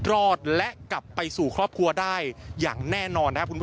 รอดและกลับไปสู่ครอบครัวได้อย่างแน่นอนนะครับคุณผู้ชม